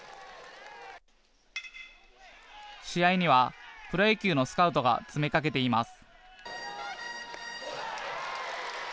試合にはプロ野球のスカウトが詰めかけています。